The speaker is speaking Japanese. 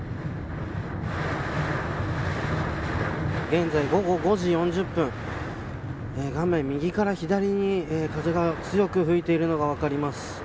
現在、午後５時４０分画面、右から左に風が強く吹いているのが分かります。